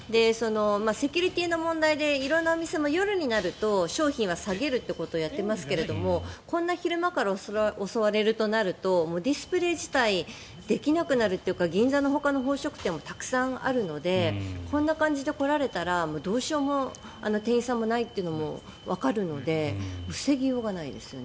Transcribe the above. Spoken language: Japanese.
セキュリティーの問題で色んなお店も、夜になると商品は下げるということをやってますけどもこんな昼間から襲われるとなるとディスプレー自体できなくなるというか銀座のほかの宝飾店もたくさんあるのでこんな感じで来られたら店員さんもどうしようもないというのもわかるので防ぎようがないですよね。